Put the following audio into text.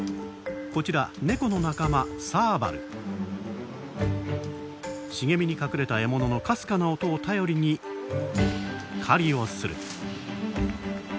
こちらネコの仲間茂みに隠れた獲物のかすかな音を頼りに狩りをする。